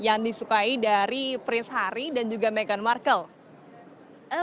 yang disukai dari prince harry dan juga meghan markle